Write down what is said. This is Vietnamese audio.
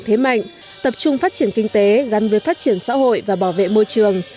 thế mạnh tập trung phát triển kinh tế gắn với phát triển xã hội và bảo vệ môi trường